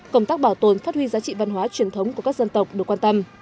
công tác bảo tồn phát huy giá trị văn hóa truyền thống của các dân tộc được quan tâm